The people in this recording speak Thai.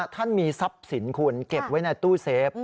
ท่านมีทรัพย์สินคุณเก็บไว้ในตู้เซฟ